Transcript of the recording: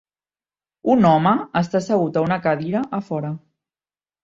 Un home està assegut a una cadira a fora.